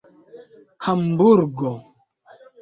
hamburgo